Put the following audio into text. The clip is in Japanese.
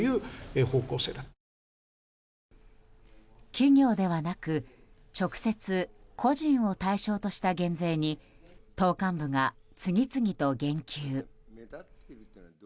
企業ではなく直接、個人を対象とした減税に党幹部が次々と言及。